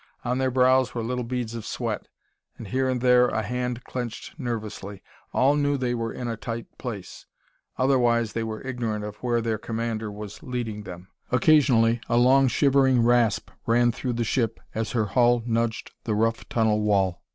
On their brows were little beads of sweat, and here and there a hand clenched nervously. All knew they were in a tight place; otherwise they were ignorant of where their commander was leading them. Occasionally a long, shivering rasp ran through the ship as her hull nudged the rough tunnel wall.